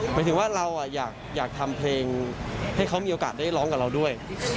หมายถึงว่าเราอยากทำเพลงให้เขามีโอกาสได้ร้องกับเราด้วย